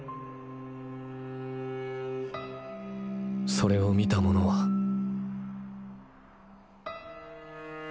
それを見た者はーー。